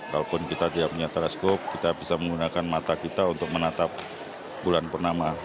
kalaupun kita tidak punya teleskop kita bisa menggunakan mata kita untuk menatap bulan purnama